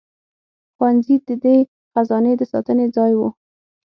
ښوونځي د دې خزانې د ساتنې ځای وو.